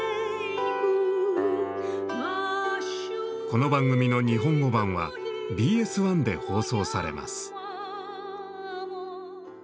この番組の日本語版はＢＳ１で放送されます。